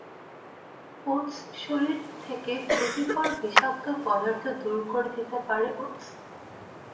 ওটসশরীর থেকে ক্ষতিকর বিষাক্ত পদার্থ দূর করে দিতে পার ওটস।